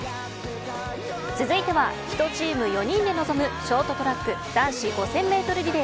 続いては１チーム４人で臨むショートトラック男子５０００メートル